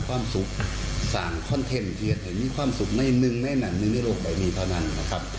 ความสุขสั่งคอนเทมที่จะให้มีความสุขในหนึ่งในหนันในโลกใบมีเท่านั้นนะครับ